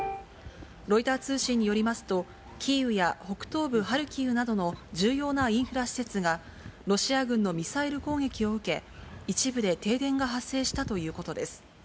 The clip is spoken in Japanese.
ロイター通信によりますと、キーウや北東部ハルキウなどの重要なインフラ施設が、ロシア軍のミサイル攻撃を受け、一部で停電が発生したということです。